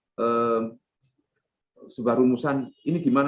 nah vectorboxnya juga kebalian